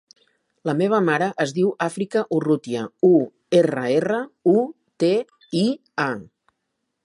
La meva mare es diu Àfrica Urrutia: u, erra, erra, u, te, i, a.